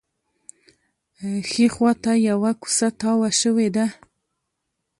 ښي خوا ته یوه کوڅه تاوه شوې ده.